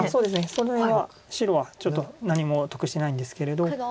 それは白はちょっと何も得してないんですけれど。